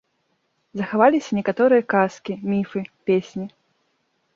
Захаваліся некаторыя казкі, міфы, песні.